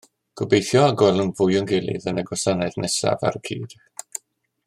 Gobeithio y gwelwn fwy o'n gilydd yn y gwasanaeth nesaf ar y cyd